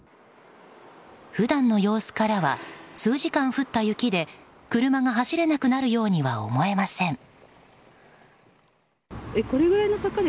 普段の様子からは数時間降った雪で車が走れなくなるようには思えません。